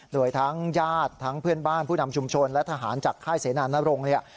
โดยทั้งญาติทั้งเพื่อนบ้านผู้นำชุมชนและทหารจากค่ายเสนานรงค์เนี่ย